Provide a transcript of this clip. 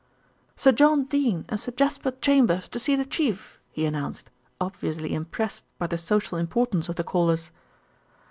"Sir John Dene and Sir Jasper Chambers to see the Chief," he announced, obviously impressed by the social importance of the callers.